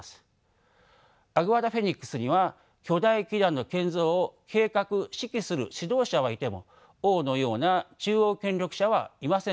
アグアダ・フェニックスには巨大基壇の建造を計画指揮する指導者はいても王のような中央権力者はいませんでした。